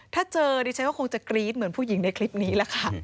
ถ้าเจอดิฉันก็คงจะกรี๊ดเหมือนผู้หญิงในคลิปนี้แหละค่ะ